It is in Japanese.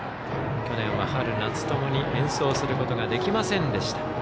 去年は春夏ともに演奏することができませんでした。